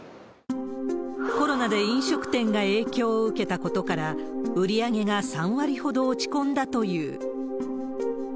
コロナで飲食店が影響を受けたことから、売り上げが３割ほど落ち込んだという。